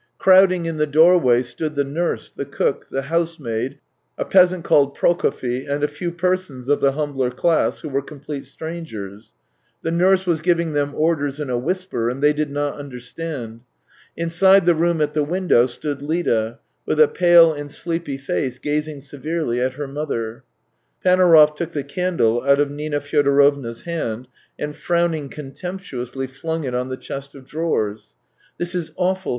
Crowding in the doorway stood the nurse, the cook, the housemaid, a peasant called Prokofy and a few persons of the humbler class, who were complete strangers. The nurse was giving them orders in a whisper, and they did not understand. Inside the room at the window stood Lida, with a pale and sleepy face, gazing severely at her mother. Panaurov took the candle out of Nina Fyo dorovna's hand, and, frowning contemptuously, flung it on the chest of drawers. " This is awful